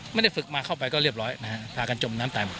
ไม่ได้ฝึกมาเข้าไปก็เรียบร้อยพากันจมน้ำไต่